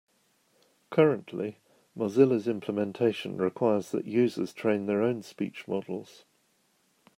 Currently, Mozilla's implementation requires that users train their own speech models.